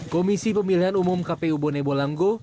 komisi pemilihan umum kpu bone bolango